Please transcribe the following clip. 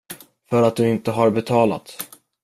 För att du inte har betalat?